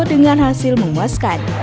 dengan hasil menguaskan